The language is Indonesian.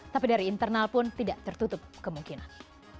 tapi dari internal pun tidak tertutup kemungkinan